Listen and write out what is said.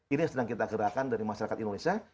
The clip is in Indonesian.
ini yang sedang kita gerakan dari masyarakat indonesia